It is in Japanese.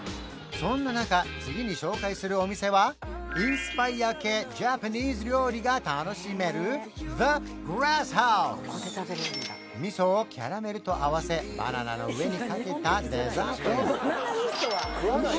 そんな中次に紹介するお店はインスパイア系ジャパニーズ料理が楽しめるザ・グラスハウス味噌をキャラメルと合わせバナナの上にかけたデザートです